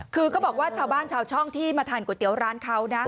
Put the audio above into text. คือเขาบอกว่าชาวบ้านชาวช่องที่มาทานก๋วยเตี๋ยวร้านเขานะ